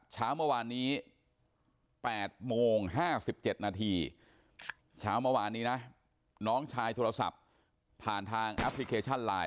เช้าเมื่อวานนี้๘โมง๕๗นาทีเช้าเมื่อวานนี้นะน้องชายโทรศัพท์ผ่านทางแอปพลิเคชันไลน